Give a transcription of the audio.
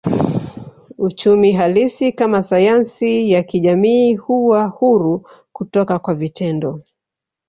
Uchumi halisi kama sayansi ya kijamii huwa huru kutoka kwa vitendo